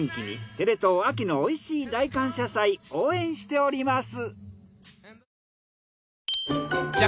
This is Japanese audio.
テレ東秋のおいしい大感謝祭応援しております。